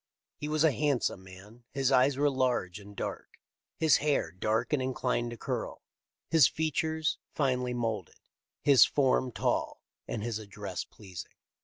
He was a handsome man. His eyes were large and dark, his hair dark and inclined to curl, his features finely moulded, his form tall, and his address pleasing."